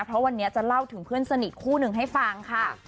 เพราะวันนี้จะเล่าถึงเพื่อนสนิทคู่หนึ่งให้ฟังค่ะ